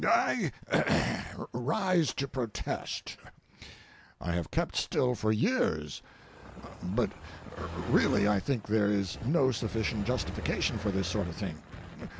I rise to protest. I have kept still for years; but really I think there is no sufficient justification for this sort of thing.